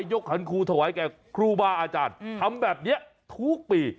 หันครูถวายแก่ครูบาอาจารย์ทำแบบนี้ทุกปี